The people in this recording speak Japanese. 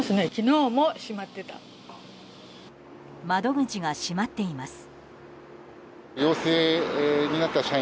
窓口が閉まっています。